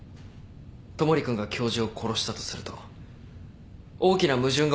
戸守君が教授を殺したとすると大きな矛盾が起きてしまいます。